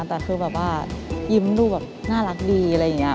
แต่คือแบบว่ายิ้มดูแบบน่ารักดีอะไรอย่างนี้